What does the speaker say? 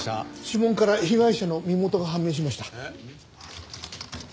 指紋から被害者の身元が判明しました。